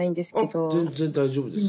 あっ全然大丈夫です。